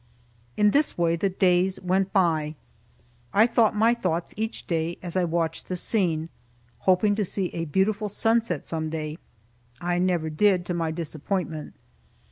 In this way the days went by. I thought my thoughts each day, as I watched the scene, hoping to see a beautiful sunset some day. I never did, to my disappointment.